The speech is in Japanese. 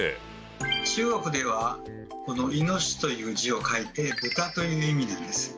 中国ではこの「猪」という字を書いて「豚」という意味なんです。